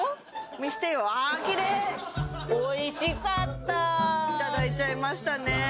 見してよあきれいおいしかったいただいちゃいましたね